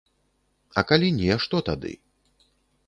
А калі не, што тады?